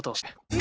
え？